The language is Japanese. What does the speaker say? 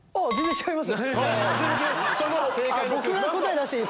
違います。